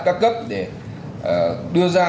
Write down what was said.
các cấp để đưa ra